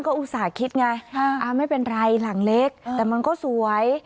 ก็อุตส่าห์คิดไงไม่เป็นไรหลังเล็กแต่มันก็สวย